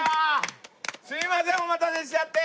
すいませんお待たせしちゃって。